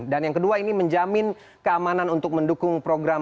dan yang kedua ini menjamin keamanan untuk mendukung program